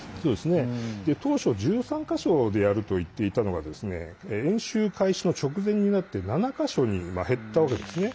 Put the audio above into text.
当初、１３か所でやるといっていたのが演習開始の直前になって７か所に減ったわけですね。